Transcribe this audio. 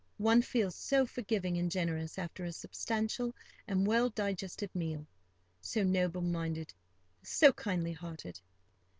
One feels so forgiving and generous after a substantial and well digested meal—so noble minded, so kindly hearted.